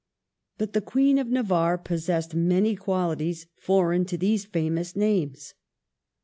But the Queen of Navarre possessed many qualities foreign to these famous names.